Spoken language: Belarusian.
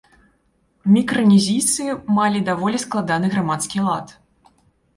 Мікранезійцы мелі даволі складаны грамадскі лад.